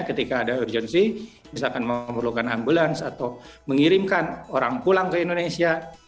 ketika ada urgensi misalkan memerlukan ambulans atau mengirimkan orang pulang ke indonesia